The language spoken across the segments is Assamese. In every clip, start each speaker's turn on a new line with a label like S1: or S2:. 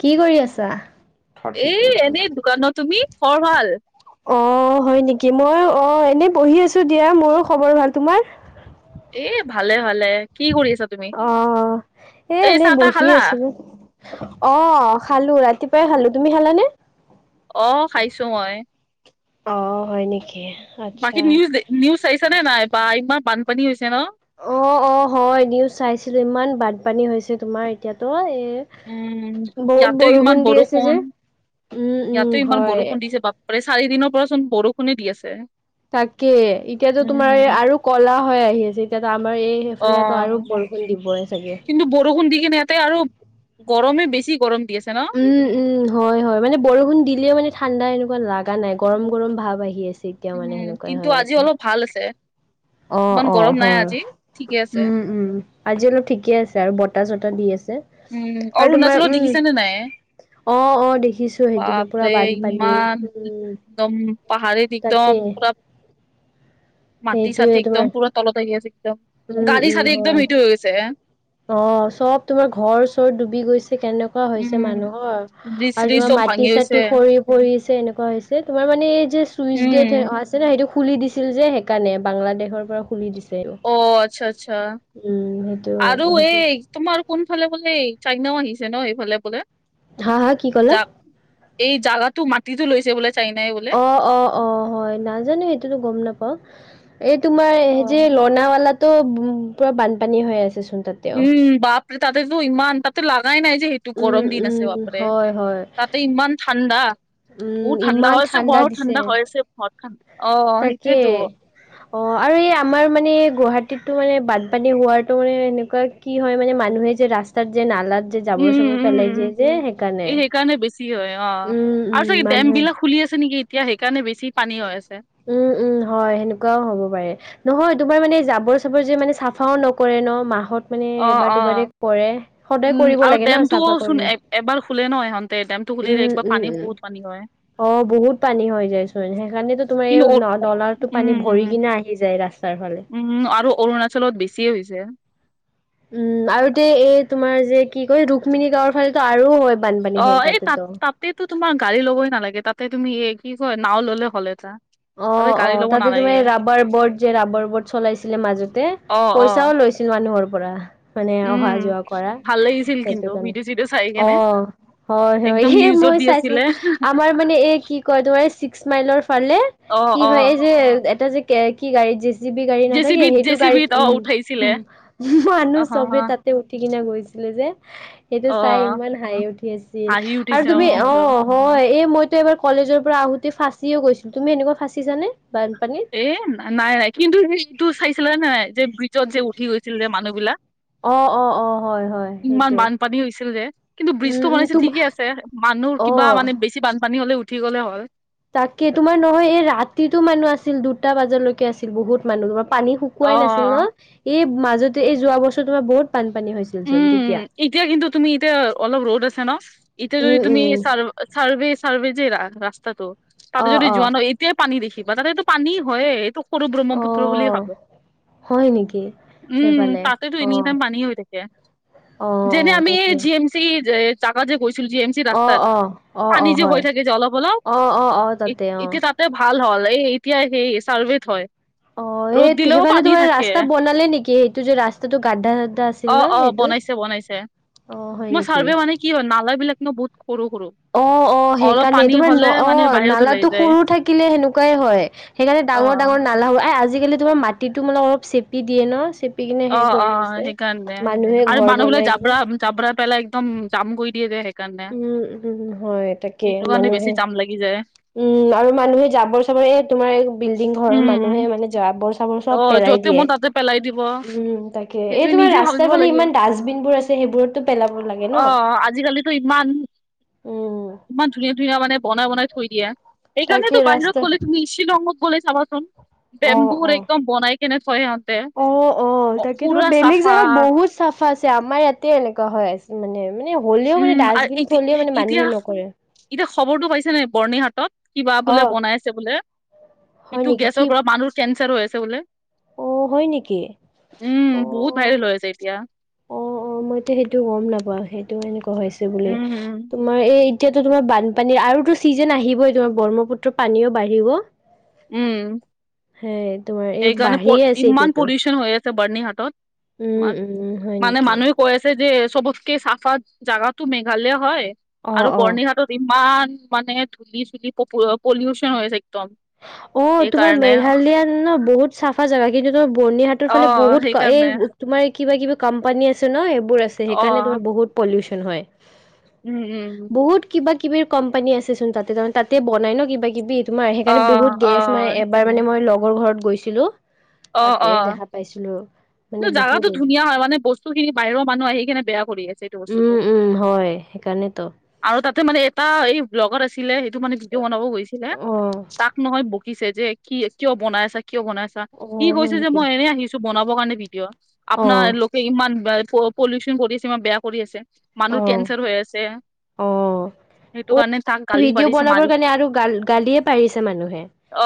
S1: কি কৰি আছা?
S2: এই এনেই দোকানত, তুমি? খবৰ ভাল?
S1: অ', হয় নেকি? মই অ', এনে বহি আছোঁ দিয়া মোৰো খবৰ ভাল, তোমাৰ?
S2: এ ভালে ভালে। কি কৰি আছা তুমি
S1: অ এ
S2: এই
S1: এনেই
S2: চাহ তাহ
S1: বহি
S2: খালা
S1: আছিলো। অ', খালোঁ, ৰাতিপুৱাই খালোঁ, তুমি খালানে?
S2: অ', খাইছোঁ মই।
S1: অ হয় নেকি?
S2: বাকী
S1: আচ্ছা।
S2: নিউজ নিউজ চাইিছানে নাই? বা ইমান বানপানী হৈছে ন।
S1: অ', অ' হয়, নিউজ চাইছিলোঁ। ইমান বানপানী হৈছে, তোমাৰ এতিয়াতো এ।
S2: উম,
S1: বহুত
S2: ইয়াতেও
S1: বৰষুণ
S2: ইমান
S1: দি আছে যে।
S2: বৰষুণ,
S1: উম উম
S2: ইয়াতে ইমান
S1: হয়।
S2: বৰষুণ দিছে বাপ চাৰিদিনৰ পৰা চোন বৰষুণে দি আছে।
S1: তাকে, এতিয়াতো তোমাৰ এই
S2: উম।
S1: আৰু কলা হৈ আহি আছে। এতিয়াতো আমাৰ এই
S2: অ
S1: সেইফালেতো আৰু বৰ দিবই চাগে।
S2: কিন্তু বৰষুণ দি কিনে ইয়াতে আৰু গৰমে বেছি গৰম দি আছে ন?
S1: উম উম হয় হয়, মানে বৰষুণ দিলেওঁ মানে ঠাণ্ডা এনেকুৱা লগা নাই, গৰম গৰম ভাৱ আহি আছে। এতিয়াওঁ মানে
S2: উম
S1: সেনেকুৱাই
S2: কিন্তু
S1: হৈ
S2: আজি
S1: আছে।
S2: অলপ ভাল আছে।
S1: অ,
S2: ইমান
S1: অ,
S2: গৰম নাই
S1: হয়,
S2: আজি ঠিকে আছে
S1: উম উম, আজি অলপ ঠিকে আছে আৰু বতাহ -চটাহ দি আছে।
S2: উম,
S1: আৰু তোমাৰ
S2: অৰুণাচলত
S1: উম,
S2: দেখিছে নে নাই?
S1: অ, অ, দেখিছো সেইটোতো
S2: বাপৰে
S1: পুৰা বানপানী
S2: ইমান
S1: উম,
S2: একদম পাহাৰীত
S1: তাকে
S2: একদম পুৰা মাটি চাটি
S1: সেইটোয়ে
S2: একদম
S1: তোমাৰ
S2: পুৰা তলত আহি আছে একদম
S1: উম,
S2: গাড়ী
S1: উম,
S2: চাদি একদম
S1: হয়।
S2: হিটো হৈ গৈছে
S1: অ, চব তোমাৰ ঘৰ ওচৰত ডুবি গৈছে কেনেকুৱা হৈছে
S2: উম
S1: মানুহৰ
S2: ব্ৰিজ
S1: আৰু
S2: চ্ৰিজ
S1: তোমাৰ
S2: চব
S1: মাটি
S2: ভাঙি গৈছে।
S1: চাটি সৰি পৰিছে এনেকুৱা হৈছে তোমাৰ মানে এই যে চুইচ
S2: উম
S1: গেট। ন, সেইটো খুলি দিছিল যে সেইকাৰণে বাংলাদেশৰ পৰা খুলি দিছিল।
S2: অ, আচ্ছা আচ্ছা
S1: সেইটো
S2: আৰু।
S1: সেইটো
S2: এই তোমাৰ কোনফালে বোলে চাইনাও আহিছে ন এইফালে বোলে
S1: হা হা কি
S2: জা
S1: ক'লে
S2: এই জাগাটো মাটিতো লৈছে বলে চাই নাই।
S1: অ, অ, অ, হয় নাজানো সেইটোতো গম নাপাও এই তোমাৰ
S2: অ।
S1: যে লনাৱালাত। তো পুৰা বানপানী হৈ আছেচোন তাত।
S2: উম, বাপৰে ততেতো ইমান তাততেো ল লগাগাই নাই যে। টো
S1: উম
S2: গৰম দিন
S1: উম
S2: আছে বাপৰে
S1: হয় হয়
S2: তাতে ইমান ঠাণ্ডা।
S1: উম
S2: ব ঠাণ্ডা
S1: ইমান
S2: হৈছে বৰত ঠাণ্ডা
S1: দিছে।
S2: আছে বতঠা অ
S1: তাকে
S2: সেইটোয়েতো
S1: অ, আৰু এই আমাৰ মানে গুৱাহাটীতো মানে বানপানী হোৱাটো মানে এনেকুৱা কি হয় মানে মানুহে যে ৰাস্তাৰ যে নালাৰ।
S2: উম, উম, উম, এই সেইকাৰণে বেছি হয় অ
S1: উম উম
S2: আৰু চাগ ডেম
S1: মানুহে
S2: বিলাক খুলি আছে নেকি। এতিয়া সেইকাৰণে বেছি পানী হৈ আছে।
S1: উম, উম, হয় সেনেকুৱাও হ'ব পাৰে নহয় তোমাৰ মানে জাবৰ চাবৰ যে মানে চাফাও নকৰে ন মাহত। মানে
S2: অ,
S1: এবাৰ
S2: অ,
S1: দুবাৰে কৰে সদায়
S2: উম,
S1: কৰিব
S2: আৰু
S1: লাগে ন
S2: ডেমটোও
S1: চাফা
S2: চোন
S1: কৰিলে
S2: এবাৰ খোলে ন সহন। তে ডেমটো খুলিলে
S1: উম
S2: একবাৰ
S1: উম
S2: পানী
S1: উম
S2: বহুত পানী হয়।
S1: অ, বহুত পানী হৈ যায় চোন সেইকাৰণো
S2: কিন্তু অ-
S1: তোমাৰ ডলাটো
S2: উম,
S1: পানী ভৰি
S2: উম,
S1: কিনে আহি যায় ৰাস্তাৰ ফালে
S2: উম, আৰু অৰুণাচলত বেছিয়ে হৈছে।
S1: উম, আৰু তে এই তোমাৰ যে কি কয় ৰুক্মিণী গাঁৱৰ ফালেো আৰু হয়। বানপানি হে তাতটো
S2: তাতেইতো তোমাৰ গাড়ী ল'বই নালাগে তাতে তুমি এ কি কয় নাও ল'লে হলে এটা।
S1: অ,
S2: তাতে
S1: অ,
S2: গাড়ী ল'ব
S1: তাতে
S2: নালাগে
S1: তুমাৰ ৰাবাৰ বৰ্ড যে ৰাবাৰ বৰ্ড চলাইছিলে মাজতে
S2: অ', অ',
S1: পইচাও লৈছিল। মানুহৰ পৰা। মানে
S2: উম।
S1: অহা যোৱা কৰা
S2: ভাল লাগিছিল কিন্তু
S1: সেইটো কাৰণে
S2: ভিডিঅ' চিডিঅ' চাই
S1: অ
S2: কেনে
S1: হয় হয়
S2: একদম
S1: এই
S2: নিউজত
S1: মই
S2: দি
S1: চাইছো
S2: আছিলে
S1: আমাৰ মানে এই কি কয় তোমাৰ ছিক্স মাইলৰ ফালে
S2: অ',
S1: কি হয়
S2: অ'।
S1: এই যে এটা যে কি গাড়ীত জেচ জি বি গাড়ী নাথাকে সেইটো গাড়ীত।
S2: ত,
S1: উম
S2: উঠাইছিলে।
S1: উম
S2: অ
S1: মানুহ চবে তাতে উঠি কিনা গৈছিলে যে। সেইটো
S2: অ
S1: চাই ইমান হাইি উঠি আছিল
S2: হাঁহি
S1: আৰু
S2: উঠিছে
S1: তুমি অ,
S2: মোৰো
S1: হয় এ মইতো এবাৰ কলেজৰ পৰা আহোতে ফাঁচিও গৈছিলো তুমি এনেকুৱা ফাঁচিছানে বানপানীত।
S2: এ নাই নাই কিন্তু স এইটো চাইছিলে নে নাই নাই যে ব্ৰিজত যে উঠি গৈছিল যে মানুহ বিলাক।
S1: অ, অ, অ হয় হয়
S2: ইমান
S1: সেইটো
S2: বানপানী হৈছিল যে কিন্তু
S1: উম
S2: ব্ৰিজটো
S1: উম
S2: বনাইছে
S1: তোম
S2: ঠিকে আছে মানুহ
S1: অ
S2: কিবা মানে বেছি। বে বানপানী হ'লে উঠি গ'লে হয়।
S1: তাকে তোমাৰ নহয় এই ৰাতিতো মানুহ আছিল দুটা বজালৈকে আছিল বহুত মানুহ তোমাৰ পানী শ
S2: অ
S1: কোৱাই নাছিল ন এই মাজতে এই যোৱা বছৰ তোমাৰ বহুত বানপানী হৈছিল। চোন
S2: উম,
S1: তেতিয়া
S2: এতিয়া কিন্তু তুমি এতিয়া অলপ ৰ'দ আছে ন এতিয়া যদি
S1: উম
S2: তুমি
S1: উম
S2: চাৰ ছাৰ্ভে ছাৰ্ভে যে ৰাস্তাটো তাতে
S1: অ
S2: যদি
S1: অ
S2: যোৱা ন এই তেতি পানী দেখিবা তাতেটো পানী হয় এইটো সৰু
S1: অ
S2: ব্ৰহ্মপুত্ৰ বুলিুলিয় ভাবে
S1: হয় নেকি
S2: উম
S1: সেইফালে
S2: তাতেতো
S1: অ
S2: এনি টাইম পানী হৈ থাকে।
S1: অ অ
S2: যেনে আমি
S1: তাকে
S2: জি এম চি জাগা যে গৈছিলো জি এমি
S1: অ',
S2: ৰাস্তাত
S1: অ', অ',
S2: পানী
S1: অ',
S2: যে
S1: হয়।
S2: হৈ থাকে যে, অলপ অলপ
S1: অ', অ', অ', তাতে অ'।
S2: এতিয়া তাত ভাল হ'ল এই এতিয়া সেই চাৰ্ভিত হয়।
S1: অ',
S2: ৰ'দ
S1: সেই
S2: দিলেও
S1: সেইফালে
S2: পানী
S1: তোমাৰ
S2: থাকে
S1: ৰাস্তা বনালে নেকি? সেইটো যে ৰাস্তাটো গাড্ডা চাড্ডা আছিল ন
S2: অ', অ',
S1: সেইটোত?
S2: বনাইছে বনাইছে।
S1: অ', হয়
S2: মই
S1: নেকি?
S2: চাৰ্ভে মানে কি হয় নালাবিলাক নহয় বহুত সৰু সৰু।
S1: অ', অ',
S2: অলপ
S1: সেইকাৰণে
S2: পানী
S1: তোমাৰ
S2: হলে
S1: ন
S2: মানে
S1: অ'
S2: বাহিৰত ওলাই
S1: নালাটো
S2: যায়
S1: সৰু থাকিলে হেনেকুৱাই হয়। সেইকাৰণে
S2: অ
S1: ডাঙৰ ডাঙৰ নালা হ'ল। আজিকালি তোমাৰ মাটিতো মানে অলপ চেপি দিয়ে ন চেপি কিনে
S2: অ
S1: সেই
S2: অ
S1: কৰি আছে
S2: সেইকাৰণে
S1: মানুহে
S2: আৰু
S1: ঘৰ
S2: মানুহবিলাক
S1: বনাই কিনে।
S2: জাবৰা জাবৰা পেলাই একদম জাম কৰি দিয়ে। সেইকাৰণে
S1: উম, উম, হয় তাকে
S2: সেইটো কাৰণে
S1: মানুহে
S2: [inaudible]
S1: উম, আৰু মানুহে জাবৰ এই তোমাৰ বিল্ডিং ঘৰৰ
S2: উম উম
S1: মানুহে মানে জাবৰ চাবৰ
S2: অ
S1: চব পেলাই
S2: য'তে
S1: দিয়ে।
S2: মন তাতে পেলাই দিব।
S1: উম, উম, হয়। তাকে
S2: সেইটো
S1: এই তোমাৰ
S2: নিজে ভাবিব
S1: ৰাস্তাৰ ফালে
S2: লাগে
S1: ইমান ডাষ্টবিনবোৰ আছে সেইবোৰত পেলাব লাগে ন।
S2: তো ইমান
S1: উম।
S2: ইমান ধুনীয়া ধুনীয়া মানে বনাই বনাই থৈ দিয়া। এই
S1: তাকে
S2: কাৰণেটো বাহিৰত
S1: ৰাস্তা
S2: গ'লে তুমি শ্বিলঙত চাবাচোন
S1: অ',
S2: বেম্বুৰ
S1: অ'।
S2: একদম বনাই কেনেকৈ থৈ সিহঁতে।
S1: অ', অ', তাকে তোমাৰ
S2: পুৰা
S1: বেলেগ
S2: চাফা
S1: জাগত বহুত চাফা আছে। আমাৰ ইয়াতে এনেকুৱা হৈ আছে। মানে মানে হ'লেও
S2: উম আৰু
S1: ডাষ্টবিন
S2: এতি
S1: থ'লেও মানে
S2: এতিয়া
S1: মানুহে নকৰে।
S2: এতিয়া খবৰটো পাইছে নে? বৰ্ণিঘাটত কিবা বোলে
S1: অ',
S2: বনাই আছে বোলে।
S1: হয়
S2: এইটো
S1: নেকি কি
S2: গেছৰ পৰা মানুহ কেঞ্চাৰ হৈ আছে বোলে।
S1: অ', হয় নেকি?
S2: উম, বহুত
S1: অ',
S2: ভাইৰেল হৈ আছে এতিয়া।
S1: অ', অ', মই এতিয়া সেইটো গম নাপাওঁ। সেইটোও এনেকুৱা হৈছে বুলি।
S2: উম উম
S1: তোমাৰ এই এতিয়াতো তোমাৰ বানপানীৰ আৰুতো ছিজন আহিবই। তোমাৰ ব্ৰহ্মপুত্ৰৰ পানীও বাঢ়িব।
S2: উম,
S1: সেই তোমাৰ এই
S2: এইকাৰণে
S1: বাঢ়িয়ে আছে
S2: ইমান
S1: এতিয়াতো
S2: পলিউচন হৈ আছে। বৰ্ণিহাটত
S1: উম
S2: মান
S1: উম হয়
S2: মানে
S1: নেকি
S2: মানুহে কৈ আছে যে চবতকে চাফা জাগাটো মেঘালয় হয়
S1: অ
S2: আৰু
S1: অ
S2: বৰ্ণিঘাটত ইমান মানে ধুলি চুলি পলিউচন হৈ হৈছে একদম।
S1: অ', তোমাৰ
S2: সেইকাৰণে
S1: মেঘালয় ন বহুত চাফা জেগা। কিন্তু তোমাৰ বৰ্ণিঘাটৰ
S2: অ
S1: ফালে বহুত
S2: সেইকাৰণে
S1: এই তোমাৰ কিবা কিবা কোম্পানী আছে ন, এইবোৰ আছে।
S2: অ
S1: সেইকাৰণে তোমাৰ বহুত পলিউচন হয়।
S2: উম, উম, উম।
S1: বহুত কিবা কিবিৰ কোম্পানী আছে চোন তাতে। তাৰমানে, তাতে বনাই ন কিবা কিবি, তোমাৰ
S2: অ
S1: সেইকাৰণে বহুত
S2: অ
S1: গেছ মাৰে এবাৰ
S2: সেইকাৰণে
S1: মানে মই লগৰ ঘৰত গৈছিলো,
S2: অ
S1: তাতে
S2: অ
S1: দেখা পাইছিলো। মানে
S2: কিন্তু,
S1: বহুত
S2: জাগাতো
S1: এই
S2: ধুনীয়া হয়। মানে বস্তুখিনি বাহিৰৰ মানুহ আহি কিনে বেয়া কৰি আছে এইটো বস্তুটো।
S1: উম উম হয়। সেইকাৰণেতো।
S2: আৰু তাতে মানে এটা এই ব্লগাৰ আছিলে সেইটো মানে ভিডিঅ' বনাব গৈছিলে।
S1: অ
S2: তাক নহয় বকিছে যে কি কিয় বনাই আছা? কিয় বনাই আছা?
S1: অ
S2: সি
S1: হয়
S2: কৈছে যে
S1: নেকি
S2: মই এনেই আহিছো বনাবৰ কাৰণে ভিডিঅ'।
S1: অ
S2: আপোনাৰ লোকে ইমান পলিউচন কৰি আছে ইমান বেয়া কৰি আছে। মানুহৰ
S1: অ
S2: কেঞ্চাৰ হৈ আছে।
S1: অ',
S2: সেইটো
S1: অ',
S2: কাৰণে তাক গালি
S1: ভিডিঅ'
S2: পাৰিছে
S1: বনাবৰ
S2: মাৰি
S1: কাৰণে আৰু গাল-গালিয়ে পাৰিছে মানুহে?
S2: অ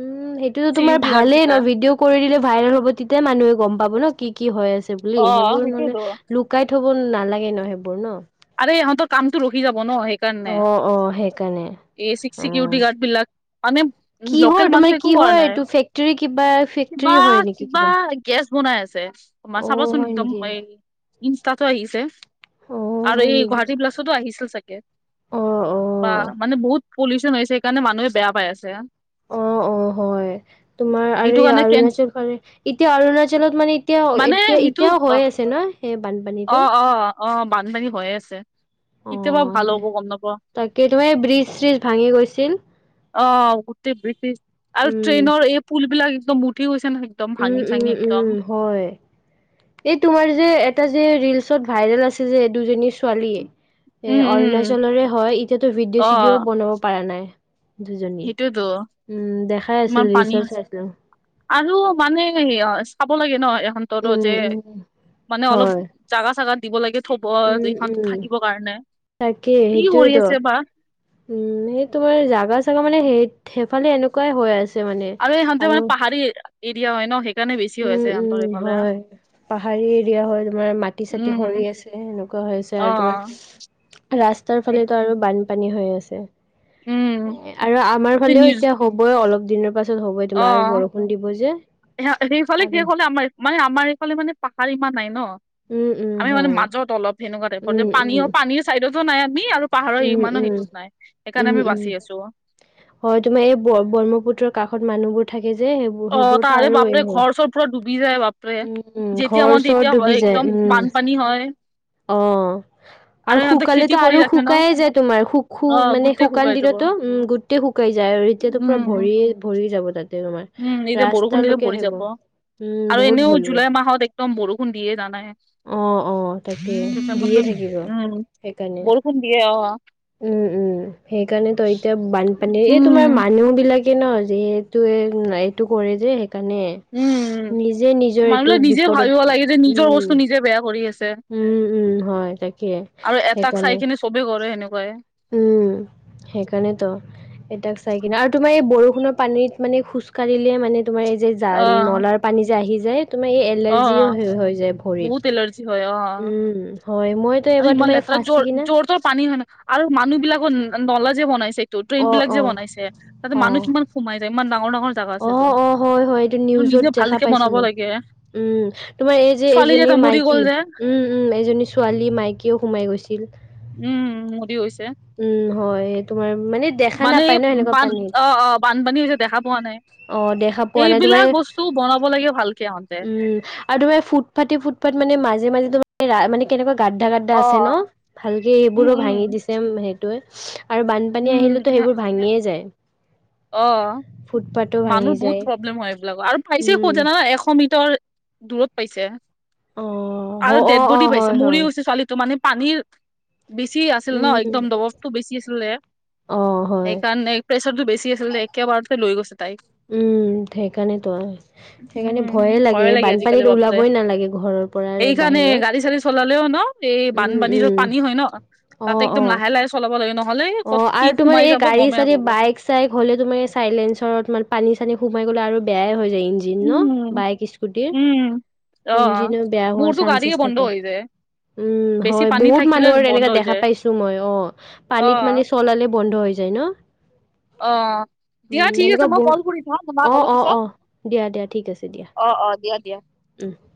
S1: উম, সেইটোতো তোমাৰ
S2: চিকিউৰিটি গাৰ্ড
S1: ভালেই
S2: কেইটা
S1: ন, ভিডিঅ' কৰি দিলে, ভাইৰেল হ'ব। তেতিয়া মানুহে গম পাব ন, কি কি হৈ আছে বুলি
S2: অ
S1: সেইবোৰ
S2: সেইটোয়েতো
S1: লুকাই থ'ব নালাগে ন, সেইবোৰ ন।
S2: আৰে, ইহঁতৰ কামটো ৰখি যাব ন, সেই
S1: অ, অ, সেইকাৰণে।
S2: এ, চিক,
S1: অ'।
S2: চিকিউৰিটি গাৰ্ড বিলাক, আমি
S1: কিহৰ
S2: লোকেল
S1: তোমাৰ
S2: মানুহক
S1: কি
S2: একো
S1: হয়
S2: কৰা
S1: এইটো
S2: নাই।
S1: ফেক্টৰী কিবা ফেক্টৰী হয় নেকি কিবা? অ', হয় নেকি
S2: [inaudible] ইনষ্টাতো আহিছে
S1: অ',
S2: আৰু
S1: হয়
S2: এই
S1: নেকি
S2: গুৱাহাটী প্লাছতো আহিছিল চাগে।
S1: অ',
S2: বা
S1: অ'।
S2: মানে বহুত পলিউচন হৈছে সেইকাৰণে মানুহে বেয়া পাই আছে।
S1: অ', অ', হয়, তোমাৰ আৰু
S2: সেইটো
S1: এই
S2: কাৰণে কেন
S1: অৰুণাচল ফালে এতিয়া অৰুণাচলত মানে, এতিয়া
S2: মানে
S1: এতিয়া
S2: সেইটো
S1: এতিয়াও
S2: অ
S1: হৈ আছে ন। সে বানপানী
S2: অ', অ', বানপানী হৈয়ে আছে। কেতিয়াবা ভাল হ'ব গম নাপাওঁ
S1: তাকেই তোমাৰ এই ব্ৰিজ চ্ছীজ ভাঙি গৈছিল।
S2: অ', গোটেই ব্ৰিটিছ আৰু
S1: উম,
S2: ট্ৰেইনৰ এই পুল বিলাক একদম উঠি গৈছে ন একদম
S1: উম,
S2: ভাঙি
S1: উম,
S2: চাঙি একদম
S1: উম, হয়। এই তোমাৰ যে এটা যে ৰিলচত ভাইৰেল আছে যে দুজনী ছোৱালীয়ে।
S2: উম
S1: এ
S2: উম
S1: অৰুণাচলৰে হয়, এতিয়াতো
S2: অ
S1: ভিডিঅ' চিডিঅ'ও বনাব পৰা নাই। দুজনী
S2: সেইটোয়েতো
S1: উম দেখাই
S2: ইমান
S1: আছিল,
S2: পানী
S1: ৰীলচত
S2: আছে
S1: চাইছিলো
S2: আৰু, মানে চাব লাগে ন এহততো
S1: উম,
S2: যে
S1: উম,
S2: মানে অলপ
S1: হয়।
S2: জাগা, চাগা, দিব লাগে থব
S1: উম,
S2: এইখনো
S1: উম,
S2: থাকিব কাৰণে,
S1: তাকে
S2: কি কৰি
S1: সেইটোয়েতো।
S2: আছে বা
S1: উম, সেই তোমাৰ জাগা চাগা মানে সেই সেইফালে এনেকুৱাই হৈ আছে। মানে।
S2: আৰু, ইহঁতে মানে, পাহাৰী এৰিয়া হয় ন, সেইকাৰণে বেছি হৈ
S1: উম,
S2: আছে
S1: উম,
S2: সিহঁতৰ ইফালে
S1: হয়। পাহাৰী এৰিয়া হয়, তোমাৰ মাটি চাটি
S2: উম
S1: সৰি আছে সেনেকুৱা হৈ আছে
S2: অ
S1: আৰু তোমাৰ ৰাস্তাৰ ফালেতো আৰু বান পানী হৈ আছে,
S2: উম
S1: আৰু আমাৰ
S2: এইটো
S1: ফালেও
S2: নিউজ
S1: এতিয়া হবই অলপ দিনৰ পাছত হবই,
S2: অ
S1: তোমাৰ আৰু বৰষুণ দিব যে
S2: সেইফালে,
S1: আৰু
S2: সেইফাললে, আমাৰ মানে আমাৰ এইফালে মানে পাহাৰ ইমান নাই ন
S1: উম, উম,
S2: আমি মানে,
S1: হয়।
S2: মাজত অলপ সেনেকুৱা টাইপত
S1: উম,
S2: পানী
S1: উম,
S2: পানীৰ চাইডতো নাই আমি আৰু পাহাৰৰ
S1: উম,
S2: ইমানো
S1: উম,
S2: সিটোত নাই সেইকাৰণে
S1: উম,
S2: আমি
S1: উম,
S2: বাচি আছো।
S1: হয় তোমাৰ এই ব্ৰহ্মপুত্ৰৰ কাষত মানুহবোৰ থাকে যে সেইবোৰ
S2: অ',
S1: সেইবোৰতো
S2: তাৰে
S1: আৰু এই
S2: বাপৰে
S1: হয়
S2: ঘৰ চৰ পুৰা ডুবি যায়, বাপৰে
S1: উম, উম,
S2: যেতিয়া
S1: ঘৰ
S2: মান
S1: চৰ
S2: তেতিয়া
S1: ডুবি
S2: হয়
S1: যায়
S2: একদম
S1: উম।
S2: বান্ধ পানী হয়।
S1: অ', আৰু
S2: সিহঁতে খেতি
S1: সুকালেতো
S2: কৰি
S1: আৰু
S2: ৰাখে ন
S1: শুকাইে যায়, তোমাৰ শুখো
S2: অ
S1: মানে
S2: গোটেই
S1: শুকান
S2: শুকাই যাব
S1: দিনতো উম গোটেই শুকাই যায় আৰু এতিয়াতো পুৰা
S2: উম
S1: ভৰি ভৰি যাব তাতে, তোমাৰ
S2: উম এতিয়া বৰষুণ দিলে
S1: ৰাস্তালৈকে
S2: ভৰি
S1: আহিব
S2: যাব
S1: উম
S2: আৰু এনেও
S1: বহুত ভৰিব
S2: জুলাই মাহত একদম বৰষুণ দিয়ে জানাই,
S1: অ অ তাকে
S2: এইটো টাইমত টো
S1: দিয়ে থাকিব
S2: উম বৰষুণ
S1: সেইকাৰণে
S2: বৰষুণ দিয়ে অ',
S1: উম, উম, সেইকাৰণে, তই এতিয়া বানপানীৰ এই
S2: উম
S1: তোমাৰ
S2: উম
S1: মানুহ বিলাকে যিহেতুৱে এইটো কৰে যে সেইকাৰণে
S2: উম
S1: নিজে, নিজৰ এইটো
S2: মানুহবিলাক নিজে
S1: বিপদত
S2: ভাবিব লাগে যে নিজৰ
S1: উম
S2: বস্তু নিজে বেয়া কৰি আছে
S1: উম, উম, হয় তাকে, সেইকাৰণে
S2: সবে কৰে সেনেকুৱাই
S1: উম, সেইকাৰণেতো এতাক চাই কিনে আৰু তোমাৰ এই বৰষুণৰ পানীত মানে খোজকাঢ়িলে মানে তোমাৰ এই যে
S2: অ
S1: জাল নলাৰ পানী যে আহি যায় তোমাৰ এই
S2: অ
S1: এলাৰ্জিও হৈ যায়, ভৰিত
S2: বহুত এলাৰ্জি হয় অ
S1: উম হয় মই
S2: আৰু ইমান লেতেৰা জোৰ জোৰ তৰ পানী হয় ন, আৰু মানুহ বিলাকৰ নলা যে বনাইছে তো ট্ৰেইন
S1: অ',
S2: বিলাক যে,
S1: অ',
S2: বনাইছে তাতে
S1: অ',
S2: মানুহ কিমান সোমাই যায়, ইমান ডাঙৰ ডাঙৰ জাগা আছে
S1: অ',
S2: চোন
S1: অ', হয়, হয় এইটো
S2: সেইটো
S1: নিউজত
S2: নিজে
S1: দেখা
S2: ভালকে বনাব
S1: পাইছিলোঁ।
S2: লাগে
S1: উম, তোমাৰ এই যে
S2: ছোৱালী
S1: এইজনী
S2: এটা মৰি গ'ল
S1: মাইকী
S2: যে
S1: উম উম এইজনী ছোৱালীও, মাইকীও সোমাই গৈছিল।
S2: উম্, মৰি গৈছে।
S1: উম্, হয় তোমাৰ মানে দেখা
S2: এই
S1: নাপায় ন। সেনেকুৱা
S2: বান
S1: পানীত।
S2: অ', অ', বানপানী হৈছে, দেখা পোৱা নাই।
S1: অ', দেখা পোৱা নাই
S2: এইবিলাক বস্তু বনাব লাগে ভালকে ইহঁতে।
S1: উম্, আৰু ফুটপাঠৈ ফুটাপাঠে দি মাজে মাজে তোৰ মানে কেনেকুৱা গাদ্ডা গাড্ডা আছে ন,
S2: অ',
S1: ভালকে
S2: উম,
S1: সেইবোৰো ভাঙি
S2: উম।
S1: দিছে। আৰু বানপানী আহিলেতো
S2: উম,
S1: সেইবোৰ ভাঙিয়ে যায়।
S2: অ',
S1: ফুটপাথো ভাঙি
S2: মানুহ
S1: যায়
S2: বহুত প্ৰব্লেম হয়, এইবিলাকৰ আৰু পাইছে ক'ত
S1: উম
S2: জানা এশ মিটাৰ দূৰত পাইছে।
S1: অ অ
S2: আৰু
S1: অ
S2: ডেড
S1: অ
S2: বডি
S1: হয়
S2: পাইছে, মৰি
S1: হয়
S2: গৈছে ছোৱালীটো মানে পানীৰ বেছি আছিল ন,
S1: উম
S2: একদম দবছ টো বেছি আছিলে।
S1: অ হয়
S2: সেইকাৰণে প্ৰেছাৰতো বেছি আছিল। একে বাৰতে লৈ গৈছে তাইক।
S1: উম্, সেইকাৰণেতো আৰু সেইকাৰণে ভয়ে লাগে। বানপানীত ওলাবই নালাগে ঘৰত
S2: এইকাৰণে গাড়ী-চাড়ি চলালেও ন, এই
S1: উম
S2: বানপানী
S1: উম
S2: য'ত পানী হয় ন।
S1: অ
S2: তাতে একদম
S1: অ
S2: লাহে লাহে চলাব লাগে। নহ'লে
S1: অ',
S2: ক'ত কি
S1: আৰু তোমাৰ
S2: সোমাই
S1: এই
S2: যাব
S1: গাড়ী
S2: গমেই
S1: চাড়ী
S2: নাপাব।
S1: বাইক চাইক হ'লে, তোমাৰ চাইলেঞ্চৰাত পানী- চানী সোমাই গ'লে আৰু বেয়াই হৈ যায় ইঞ্জিন।
S2: উম
S1: বাইক - স্কুটিৰ
S2: উম। অ
S1: ইঞ্জিনো বেয়া হোৱাৰ
S2: মোৰতো
S1: চানসেছ
S2: গাড়ীয়ে বন্ধ
S1: থাকে।
S2: হৈ যায়
S1: উম্,
S2: বেছি
S1: হয়।
S2: পানী
S1: বহুত
S2: থাকিলে
S1: মানুহৰ
S2: বন্ধ
S1: তেনেকােৱা
S2: হৈ
S1: দেখা
S2: যায়।
S1: পাইছোঁ মইয়ো।
S2: অ
S1: পানীত মানে চলালে বন্ধ হৈ যায় ন।
S2: অ', দিয়া
S1: উম,
S2: ঠিক আছে,
S1: সেনেকুৱা
S2: মই
S1: বহুত
S2: কল কৰি থওঁ। তোমাক
S1: অ',
S2: অলপ
S1: অ',
S2: পিছত
S1: অ', দিয়া
S2: অ', অ' দিয়া দিয়া।
S1: উম্,